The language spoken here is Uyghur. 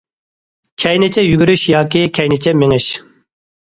كەينىچە يۈگۈرۈش ياكى كەينىچە مېڭىش.